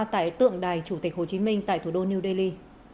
tại tượng đài chủ tịch hồ chí minh tại thủ đô new delhi